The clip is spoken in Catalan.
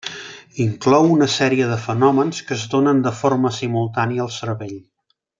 Inclou una sèrie de fenòmens que es donen de forma simultània al cervell.